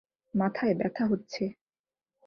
মাথায় ব্যথা হচ্ছে।